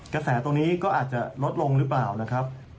กระแสตรงนี้ก็อาจจะลดลงหรือเปล่านะครับ